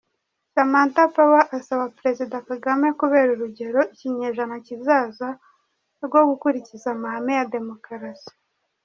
Samatha Power asaba Perezida Kagame kubera urugero ikinyejana kizaza rwo gukurikiza amahame ya Demokarasi.